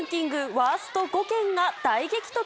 ワースト５県が大激突。